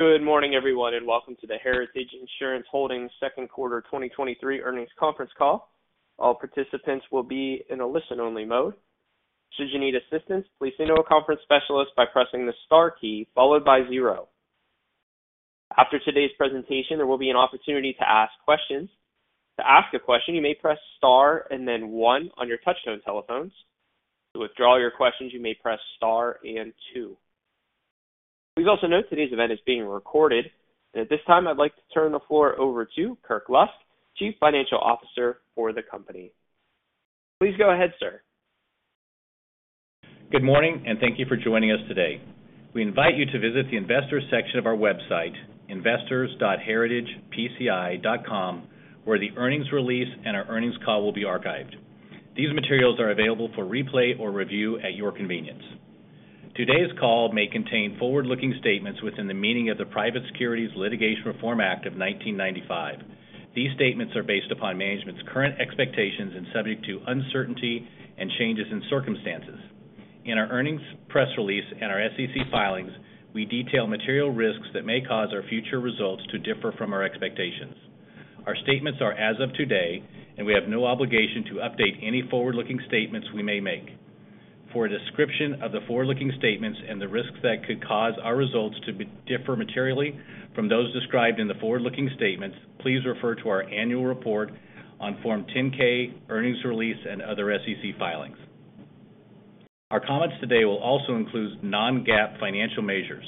Good morning, everyone, and welcome to the Heritage Insurance Holdings Second Quarter 2023 Earnings Conference Call. All participants will be in a listen-only mode. Should you need assistance, please signal a conference specialist by pressing the star key followed by zero. After today's presentation, there will be an opportunity to ask questions. To ask a question, you may press star and then one on your touchtone telephones. To withdraw your questions, you may press star and two. Please also note today's event is being recorded. At this time, I'd like to turn the floor over to Kirk Lusk, Chief Financial Officer for the company. Please go ahead, sir. Good morning, and thank you for joining us today. We invite you to visit the investor section of our website, investors.heritagepci.com, where the earnings release and our earnings call will be archived. These materials are available for replay or review at your convenience. Today's call may contain forward-looking statements within the meaning of the Private Securities Litigation Reform Act of 1995. These statements are based upon management's current expectations and subject to uncertainty and changes in circumstances. In our earnings press release and our SEC filings, we detail material risks that may cause our future results to differ from our expectations. Our statements are as of today, and we have no obligation to update any forward-looking statements we may make. For a description of the forward-looking statements and the risks that could cause our results to differ materially from those described in the forward-looking statements, please refer to our annual report on Form 10-K, earnings release, and other SEC filings. Our comments today will also include non-GAAP financial measures.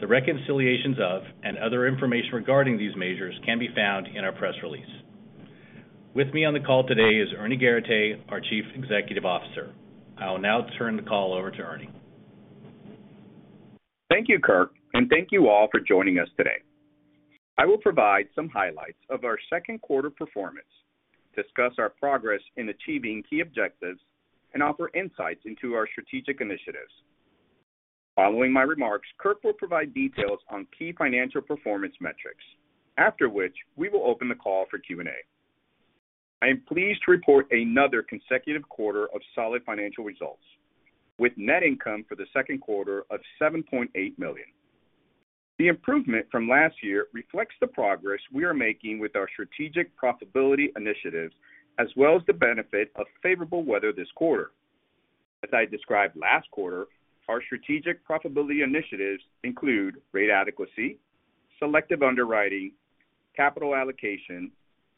The reconciliations of and other information regarding these measures can be found in our press release. With me on the call today is Ernie Garateix, our Chief Executive Officer. I will now turn the call over to Ernie. Thank you, Kirk. Thank you all for joining us today. I will provide some highlights of our second quarter performance, discuss our progress in achieving key objectives, and offer insights into our strategic initiatives. Following my remarks, Kirk will provide details on key financial performance metrics, after which we will open the call for Q&A. I am pleased to report another consecutive quarter of solid financial results, with net income for the second quarter of $7.8 million. The improvement from last year reflects the progress we are making with our strategic profitability initiatives, as well as the benefit of favorable weather this quarter. As I described last quarter, our strategic profitability initiatives include rate adequacy, selective underwriting, capital allocation,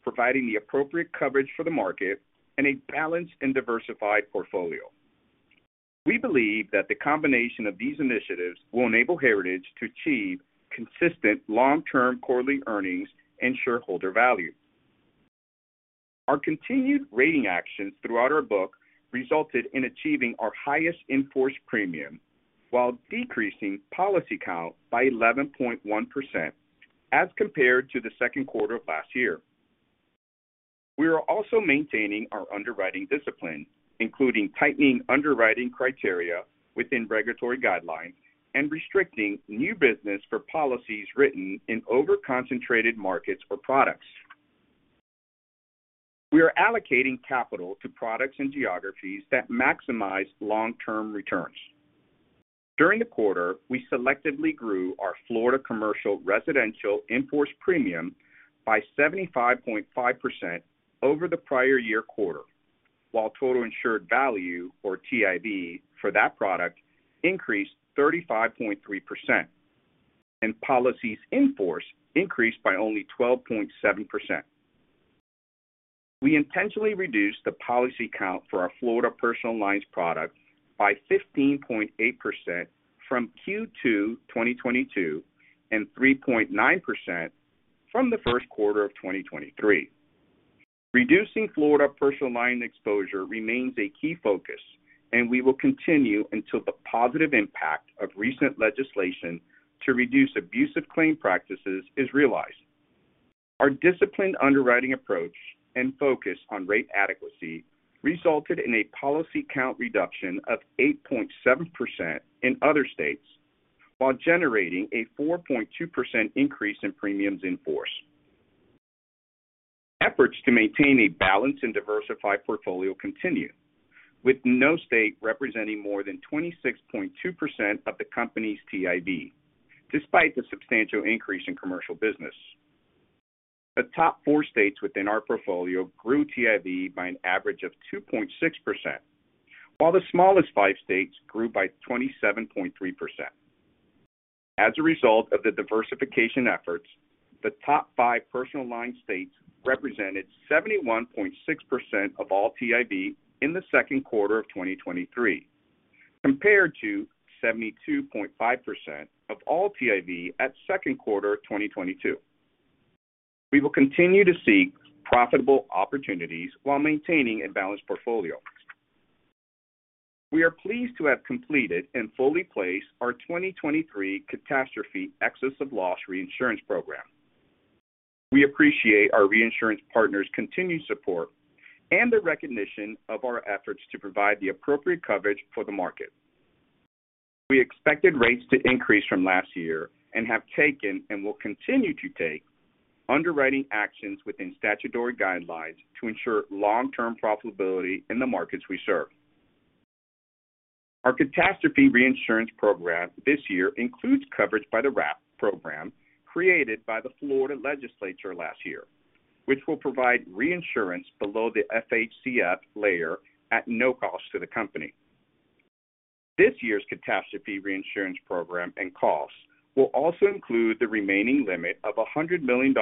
providing the appropriate coverage for the market, and a balanced and diversified portfolio. We believe that the combination of these initiatives will enable Heritage to achieve consistent long-term quarterly earnings and shareholder value. Our continued rating actions throughout our book resulted in achieving our highest in-force premium while decreasing policy count by 11.1% as compared to the second quarter of last year. We are also maintaining our underwriting discipline, including tightening underwriting criteria within regulatory guidelines and restricting new business for policies written in over-concentrated markets or products. We are allocating capital to products and geographies that maximize long-term returns. During the quarter, we selectively grew our Florida commercial residential in-force premium by 75.5% over the prior year quarter, while total insured value, or TIV, for that product increased 35.3%, and policies in force increased by only 12.7%. We intentionally reduced the policy count for our Florida personal lines product by 15.8% from Q2 2022, and 3.9% from the first quarter of 2023. Reducing Florida personal line exposure remains a key focus, and we will continue until the positive impact of recent legislation to reduce abusive claim practices is realized. Our disciplined underwriting approach and focus on rate adequacy resulted in a policy count reduction of 8.7% in other states, while generating a 4.2% increase in premiums in force. Efforts to maintain a balanced and diversified portfolio continue, with no state representing more than 26.2% of the company's TIV, despite the substantial increase in commercial business. The top four states within our portfolio grew TIV by an average of 2.6%, while the smallest five states grew by 27.3%. As a result of the diversification efforts, the top five personal line states represented 71.6% of all TIV in the second quarter of 2023, compared to 72.5% of all TIV at second quarter of 2022. We will continue to seek profitable opportunities while maintaining a balanced portfolio. We are pleased to have completed and fully placed our 2023 catastrophe excess of loss reinsurance program. We appreciate our reinsurance partners' continued support and their recognition of our efforts to provide the appropriate coverage for the market. We expected rates to increase from last year and have taken, and will continue to take, underwriting actions within statutory guidelines to ensure long-term profitability in the markets we serve. Our catastrophe reinsurance program this year includes coverage by the RAP program, created by the Florida Legislature last year, which will provide reinsurance below the FHCF layer at no cost to the company. This year's catastrophe reinsurance program and costs will also include the remaining limit of $100 million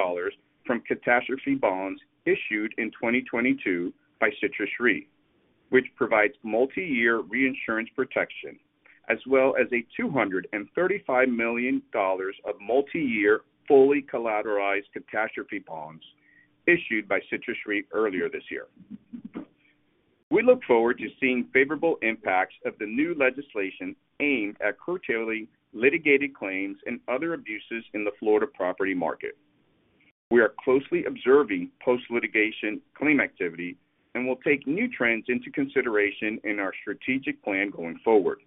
from catastrophe bonds issued in 2022 by Citrus Re, which provides multi-year reinsurance protection, as well as $235 million of multi-year fully collateralized catastrophe bonds issued by Citrus Re earlier this year. We look forward to seeing favorable impacts of the new legislation aimed at curtailing litigated claims and other abuses in the Florida property market. We are closely observing post-litigation claim activity and will take new trends into consideration in our strategic plan going forward.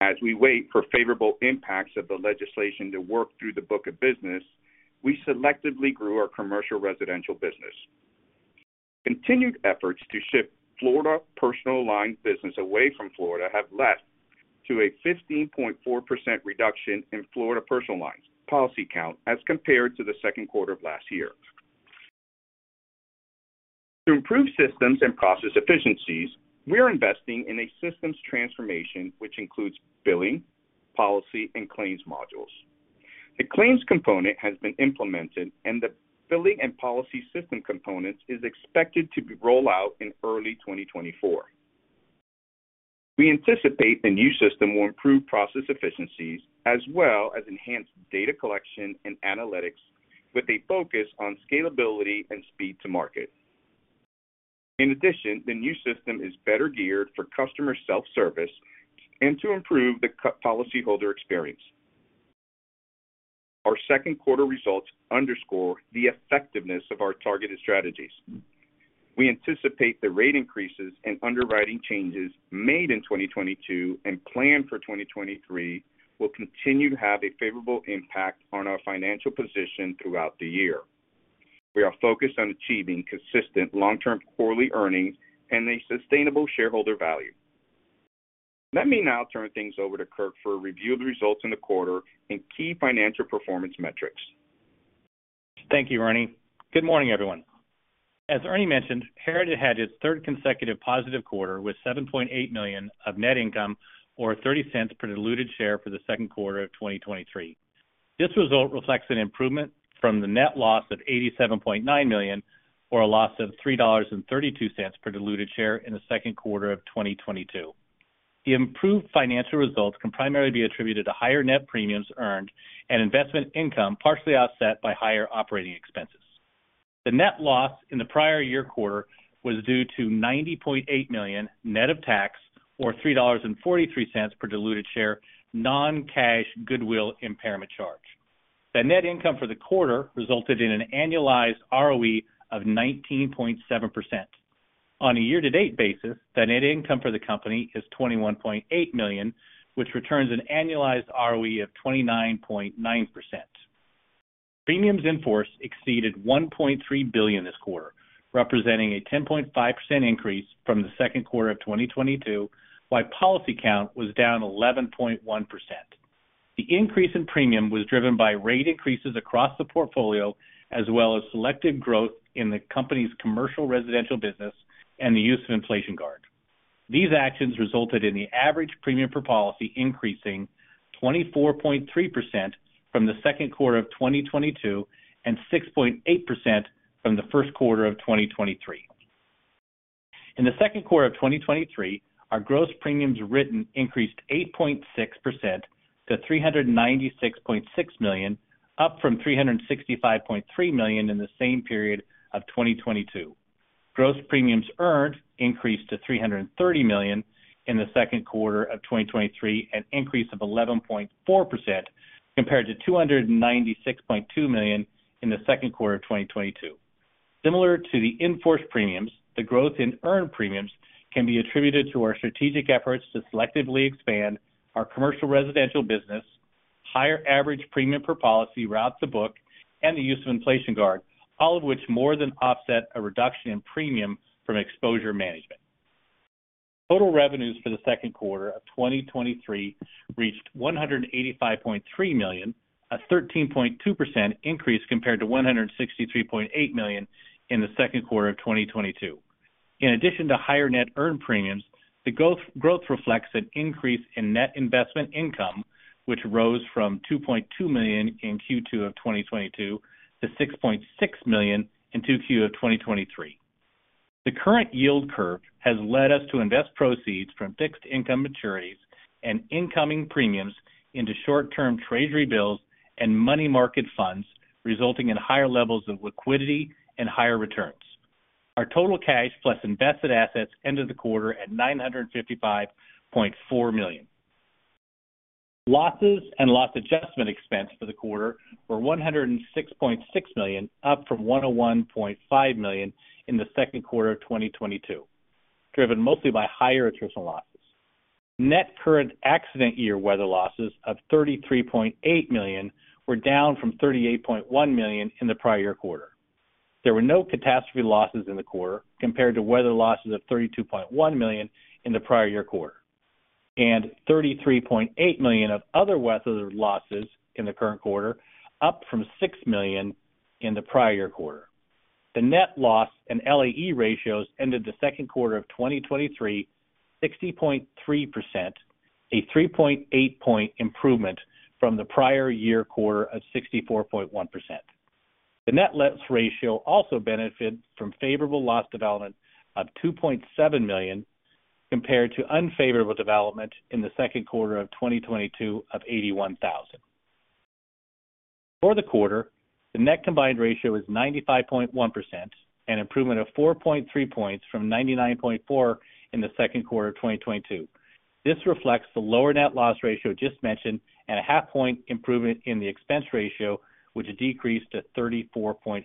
As we wait for favorable impacts of the legislation to work through the book of business, we selectively grew our commercial residential business. Continued efforts to shift Florida personal line business away from Florida have led to a 15.4% reduction in Florida personal lines policy count as compared to the second quarter of last year. To improve systems and process efficiencies, we are investing in a systems transformation, which includes billing, policy, and claims modules. The claims component has been implemented, and the billing and policy system components is expected to be roll out in early 2024. We anticipate the new system will improve process efficiencies, as well as enhance data collection and analytics, with a focus on scalability and speed to market. In addition, the new system is better geared for customer self-service and to improve the policyholder experience. Our second quarter results underscore the effectiveness of our targeted strategies. We anticipate the rate increases and underwriting changes made in 2022 and planned for 2023 will continue to have a favorable impact on our financial position throughout the year. We are focused on achieving consistent long-term quarterly earnings and a sustainable shareholder value. Let me now turn things over to Kirk for a review of the results in the quarter and key financial performance metrics. Thank you, Ernie. Good morning, everyone. As Ernie mentioned, Heritage had its third consecutive positive quarter with $7.8 million of net income, or $0.30 per diluted share for the second quarter of 2023. This result reflects an improvement from the net loss of $87.9 million, or a loss of $3.32 per diluted share in the second quarter of 2022. The improved financial results can primarily be attributed to higher net premiums earned and investment income, partially offset by higher operating expenses. The net loss in the prior year quarter was due to $90.8 million, net of tax, or $3.43 per diluted share, non-cash goodwill impairment charge. The net income for the quarter resulted in an annualized ROE of 19.7%. On a year-to-date basis, the net income for the company is $21.8 million, which returns an annualized ROE of 29.9%. Premiums in force exceeded $1.3 billion this quarter, representing a 10.5% increase from the second quarter of 2022, while policy count was down 11.1%. The increase in premium was driven by rate increases across the portfolio, as well as selective growth in the company's commercial residential business and the use of Inflation Guard. These actions resulted in the average premium per policy increasing 24.3% from the second quarter of 2022 and 6.8% from the first quarter of 2023. In the second quarter of 2023, our gross premiums written increased 8.6% to $396.6 million, up from $365.3 million in the same period of 2022. Gross premiums earned increased to $330 million in the second quarter of 2023, an increase of 11.4% compared to $296.2 million in the second quarter of 2022. Similar to the in-force premiums, the growth in earned premiums can be attributed to our strategic efforts to selectively expand our commercial residential business, higher average premium per policy throughout the book, and the use of Inflation Guard, all of which more than offset a reduction in premium from exposure management. Total revenues for the second quarter of 2023 reached $185.3 million, a 13.2% increase compared to $163.8 million in the second quarter of 2022. In addition to higher net earned premiums, the growth reflects an increase in net investment income, which rose from $2.2 million in Q2 of 2022 to $6.6 million in Q2 of 2023. The current yield curve has led us to invest proceeds from fixed income maturities and incoming premiums into short-term treasury bills and money market funds, resulting in higher levels of liquidity and higher returns. Our total cash, plus invested assets, ended the quarter at $955.4 million. Losses and loss adjustment expense for the quarter were $106.6 million, up from $101.5 million in the second quarter of 2022, driven mostly by higher attrition losses. Net current accident year weather losses of $33.8 million were down from $38.1 million in the prior quarter. There were no catastrophe losses in the quarter compared to weather losses of $32.1 million in the prior year quarter, and $33.8 million of other weather losses in the current quarter, up from $6 million in the prior quarter. The net loss and LAE ratios ended the second quarter of 2023, 60.3%, a 3.8 point improvement from the prior year quarter of 64.1%. The net loss ratio also benefited from favorable loss development of $2.7 million, compared to unfavorable development in the second quarter of 2022 of $81,000. For the quarter, the net combined ratio is 95.1%, an improvement of 4.3 points from 99.4% in the second quarter of 2022. This reflects the lower net loss ratio just mentioned, and a 0.5 point improvement in the expense ratio, which decreased to 34.8%.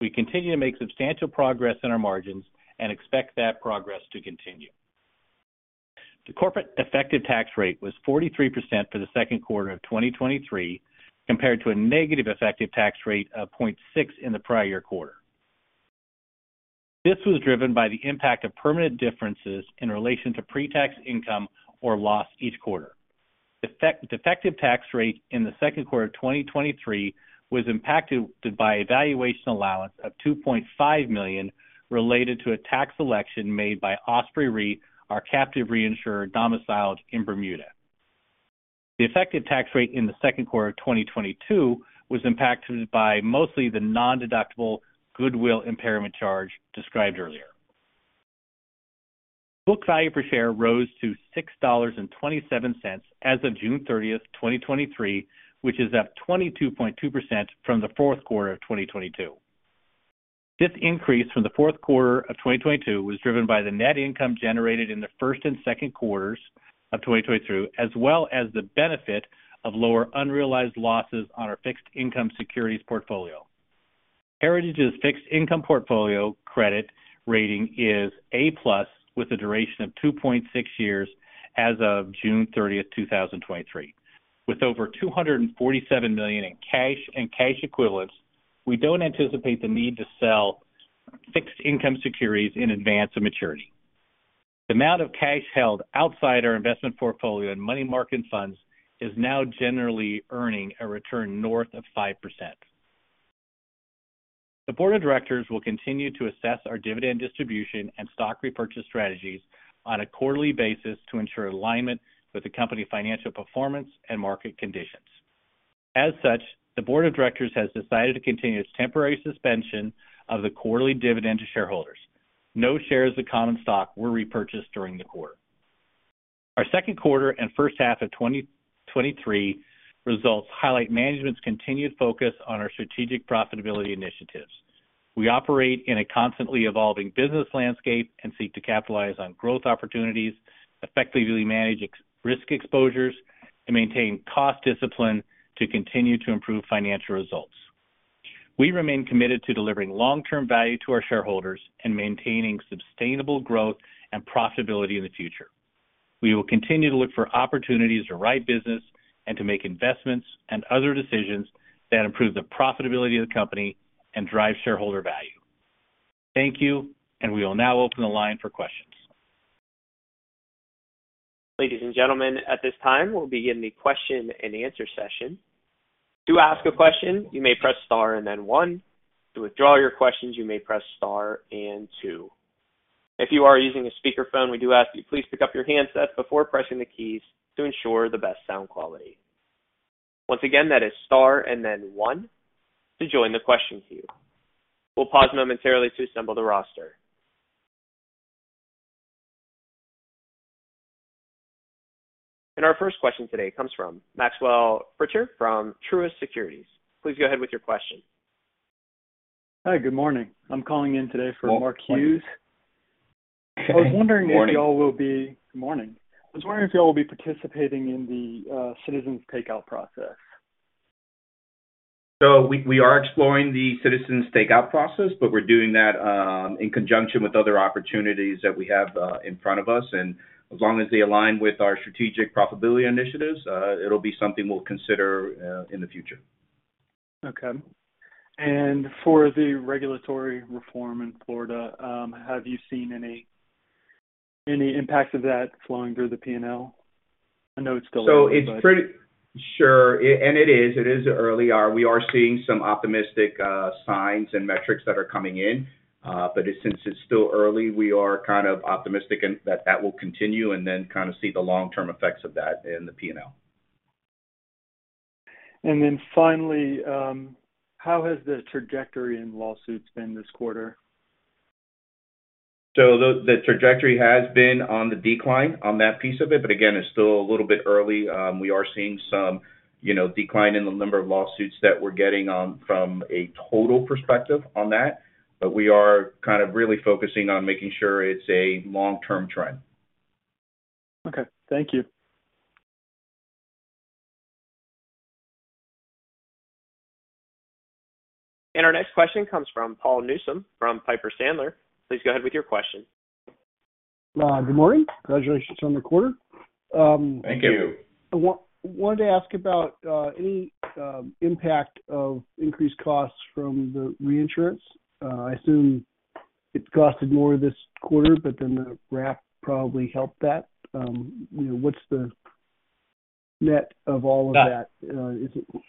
We continue to make substantial progress in our margins and expect that progress to continue. The corporate effective tax rate was 43% for the second quarter of 2023, compared to a negative effective tax rate of 0.6% in the prior year quarter. This was driven by the impact of permanent differences in relation to pre-tax income or loss each quarter. The effective tax rate in the second quarter of 2023 was impacted by a valuation allowance of $2.5 million, related to a tax election made by Osprey Re, our captive reinsurer, domiciled in Bermuda. The effective tax rate in the second quarter of 2022 was impacted by mostly the nondeductible goodwill impairment charge described earlier. Book value per share rose to $6.27 as of June 30, 2023, which is up 22.2% from the fourth quarter of 2022. This increase from the fourth quarter of 2022 was driven by the net income generated in the first and second quarters of 2022, as well as the benefit of lower unrealized losses on our fixed income securities portfolio. Heritage's fixed income portfolio credit rating is A plus, with a duration of 2.6 years as of June 30, 2023. With over $247 million in cash and cash equivalents, we don't anticipate the need to sell fixed income securities in advance of maturity. The amount of cash held outside our investment portfolio and money market funds is now generally earning a return north of 5%. The board of directors will continue to assess our dividend distribution and stock repurchase strategies on a quarterly basis to ensure alignment with the company's financial performance and market conditions. As such, the board of directors has decided to continue its temporary suspension of the quarterly dividend to shareholders. No shares of common stock were repurchased during the quarter. Our second quarter and first half of 2023 results highlight management's continued focus on our strategic profitability initiatives. We operate in a constantly evolving business landscape and seek to capitalize on growth opportunities, effectively manage risk exposures, and maintain cost discipline to continue to improve financial results. We remain committed to delivering long-term value to our shareholders and maintaining sustainable growth and profitability in the future. We will continue to look for opportunities to write business and to make investments and other decisions that improve the profitability of the company and drive shareholder value. Thank you, and we will now open the line for questions. Ladies and gentlemen, at this time, we'll begin the question and answer session. To ask a question, you may press star and then 1. To withdraw your questions, you may press star and 2. If you are using a speakerphone, we do ask you please pick up your handset before pressing the keys to ensure the best sound quality. Once again, that is star and then 1 to join the question queue. We'll pause momentarily to assemble the roster. Our first question today comes from Maxwell Fritscher from Truist Securities. Please go ahead with your question. Hi, good morning. I'm calling in today for Mark Hughes. Good morning. Good morning. I was wondering if you all will be participating in the Citizens takeout process. we, we are exploring the Citizens takeout process, but we're doing that, in conjunction with other opportunities that we have, in front of us. as long as they align with our strategic profitability initiatives, it'll be something we'll consider, in the future. Okay. For the regulatory reform in Florida, have you seen any, any impacts of that flowing through the P&L? I know it's still early, but? It's pretty. Sure, and it is. It is early. We are seeing some optimistic signs and metrics that are coming in. Since it's still early, we are kind of optimistic, and that that will continue and then kind of see the long-term effects of that in the P&L. Then finally, how has the trajectory in lawsuits been this quarter? The, the trajectory has been on the decline on that piece of it, but again, it's still a little bit early. We are seeing some, you know, decline in the number of lawsuits that we're getting on from a total perspective on that, but we are kind of really focusing on making sure it's a long-term trend. Okay. Thank you. Our next question comes from Paul Newsome, from Piper Sandler. Please go ahead with your question.... good morning. Congratulations on the quarter. Thank you. Thank you. I wanted to ask about any impact of increased costs from the reinsurance. I assume it costed more this quarter, but then the wrap probably helped that. You know, what's the net of all of that? Is it-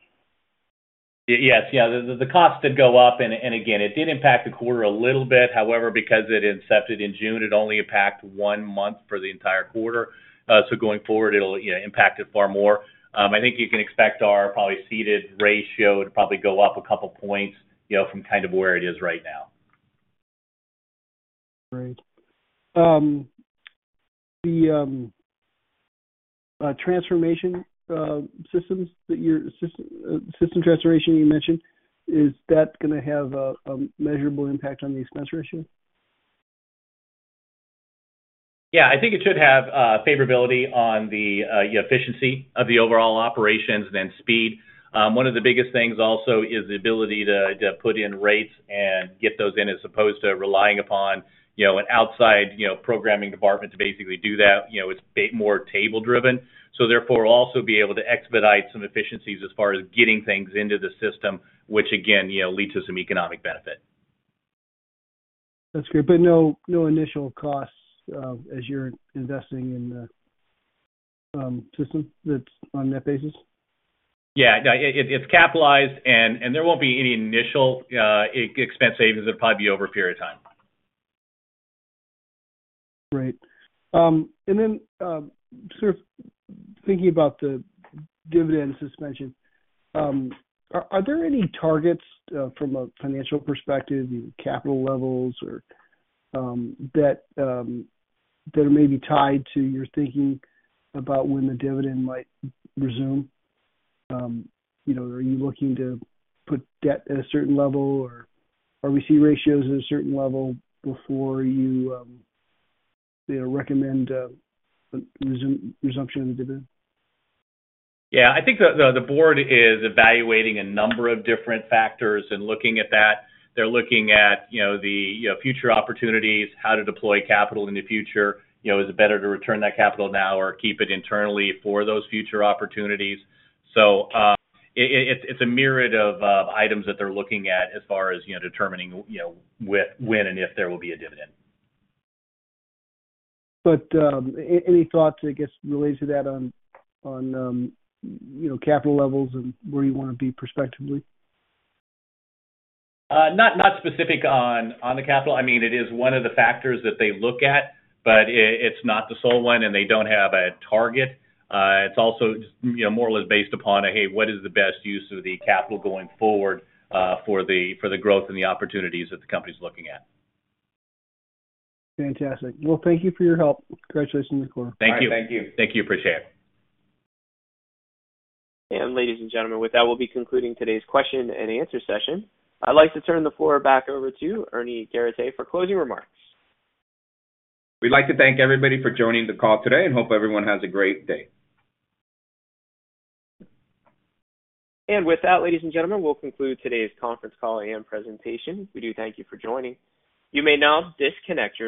Yes. Yeah, the cost did go up, and again, it did impact the quarter a little bit. However, because it incepted in June, it only impacted one month for the entire quarter. Going forward, it'll, you know, impact it far more. I think you can expect our probably ceded ratio to probably go up a couple points, you know, from kind of where it is right now. Great. The transformation systems system transformation you mentioned, is that gonna have a measurable impact on the expense ratio? Yeah, I think it should have favorability on the efficiency of the overall operations and speed. One of the biggest things also is the ability to put in rates and get those in, as opposed to relying upon, you know, an outside, you know, programming department to basically do that. You know, it's more table-driven, so therefore, we'll also be able to expedite some efficiencies as far as getting things into the system, which again, you know, leads to some economic benefit. That's great. No, no initial costs, as you're investing in the system that's on that basis? Yeah, it's capitalized, and there won't be any initial expense savings. It'll probably be over a period of time. Great. Sort of thinking about the dividend suspension, are, are there any targets, from a financial perspective, capital levels or, that, that are maybe tied to your thinking about when the dividend might resume? You know, are you looking to put debt at a certain level or RBC ratios at a certain level before you, you know, recommend, resumption of the dividend? Yeah, I think the, the, the board is evaluating a number of different factors and looking at that. They're looking at, you know, the, you know, future opportunities, how to deploy capital in the future. You know, is it better to return that capital now or keep it internally for those future opportunities? It, it, it's a myriad of items that they're looking at as far as, you know, determining, you know, when and if there will be a dividend. Any thoughts, I guess, related to that on, you know, capital levels and where you want to be prospectively? Not, not specific on, on the capital. I mean, it is one of the factors that they look at, but it, it's not the sole one, and they don't have a target. It's also, you know, more or less based upon, hey, what is the best use of the capital going forward, for the, for the growth and the opportunities that the company's looking at? Fantastic. Well, thank you for your help. Congratulations on the quarter. Thank you. All right, thank you. Thank you. Appreciate it. ladies and gentlemen, with that, we'll be concluding today's question and answer session. I'd like to turn the floor back over to Ernie Garateix for closing remarks. We'd like to thank everybody for joining the call today and hope everyone has a great day. With that, ladies and gentlemen, we'll conclude today's conference call and presentation. We do thank you for joining. You may now disconnect your lines.